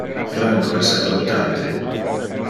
Franco es adoptate.